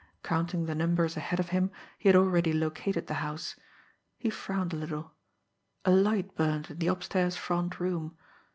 Counting the numbers ahead of him, he had already located the house. He frowned a little. A light burned in the upstairs front room.